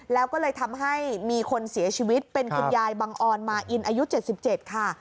แล้วก็เลยทำให้มีคนเสียชีวิตเป็นคุณยายบังออนมาอินอายุ๗๗ค่ะ